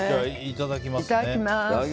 いただきます。